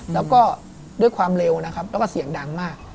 แล้วก็ด้วยความเร็วนะครับแล้วก็เสียงดังมาก